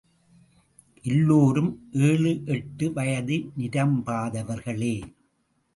எல்லோரும் ஏழு, எட்டு வயது நிரம்பாதவர்களே.